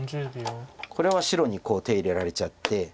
これは白に手入れられちゃって。